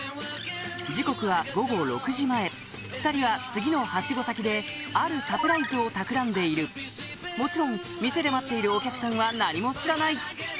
時刻は午後６時前２人は次のハシゴ先であるサプライズをたくらんでいるもちろん店で待っているお客さんは何も知らない！